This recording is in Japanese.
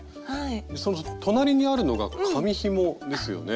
その隣にあるのが紙ひもですよね？